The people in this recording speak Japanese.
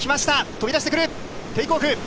飛び出してくる、テイクオフ。